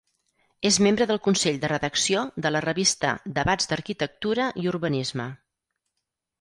És membre del consell de redacció de la revista Debats d’Arquitectura i Urbanisme.